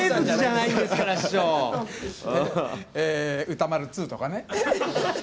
歌丸ＩＩとかね。